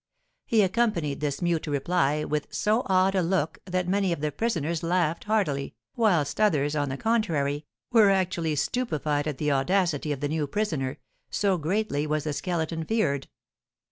He accompanied this mute reply with so odd a look that many of the prisoners laughed heartily, whilst others, on the contrary, were actually stupefied at the audacity of the new prisoner, so greatly was the Skeleton feared.